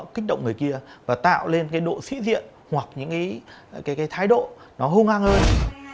kích động người kia và tạo lên cái độ sĩ diện hoặc những cái thái độ nó hung hang hơn